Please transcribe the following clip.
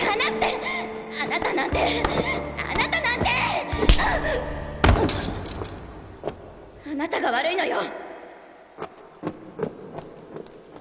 （あなたなんてあなたなんてうっあなたが悪いのよ！